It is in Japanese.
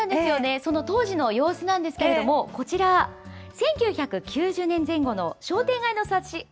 その当時の様子なんですけれども、こちら、１９９０年前後の商店街